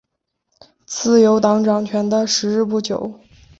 自由党掌权的时日不久。